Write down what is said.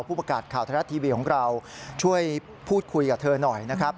ผู้ประกาศข่าวไทยรัฐทีวีของเราช่วยพูดคุยกับเธอหน่อยนะครับ